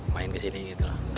main ke sini gitu lah